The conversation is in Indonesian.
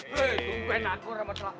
hei tungguin aku ramadhan